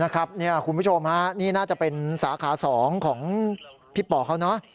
คุณผู้ชมนี่น่าจะเป็นสาขา๒ของพี่ป่อเขาเนอะ